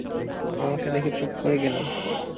আমাকে দেখে চুপ করে গেলেন।